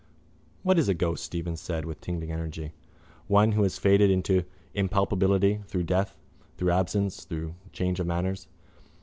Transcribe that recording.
—What is a ghost? Stephen said with tingling energy. One who has faded into impalpability through death, through absence, through change of manners.